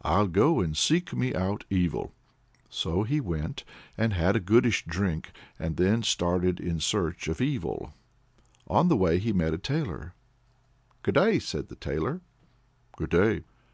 I'll go and seek me out evil." So he went and had a goodish drink, and then started in search of evil. On the way he met a tailor. "Good day," says the Tailor. "Good day."